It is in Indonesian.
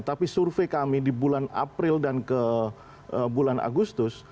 tapi survei kami di bulan april dan ke bulan agustus